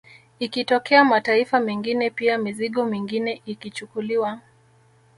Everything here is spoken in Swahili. Ikitokea mataifa mengine pia mizigo mingine ikichukuliwa